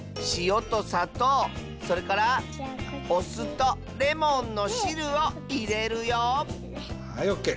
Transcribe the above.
それからおすとレモンのしるをいれるよはいオッケー。